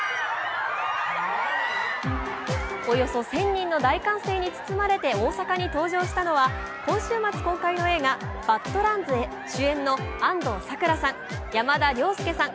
およそ１０００人の大歓声に包まれて大阪に登場したのは今週末公開の映画「ＢＡＤＬＡＮＤＺバッド・ランズ」主演の安藤サクラさん、山田涼介さん